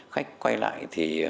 khách quay lại